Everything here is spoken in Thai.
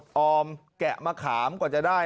อมแกะมะขามกว่าจะได้